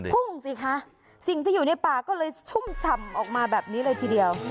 พุ่งสิคะสิ่งที่อยู่ในป่าก็เลยชุ่มฉ่ำออกมาแบบนี้เลยทีเดียว